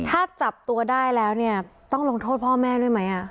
ถ้าจับตัวได้แล้วเนี่ยต้องลงโทษพ่อแม่ด้วยไหม